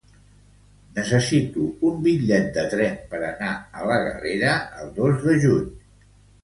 Necessito un bitllet de tren per anar a la Galera el dos de juny.